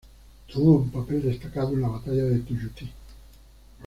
Tuvo un papel destacado en la batalla de Tuyutí.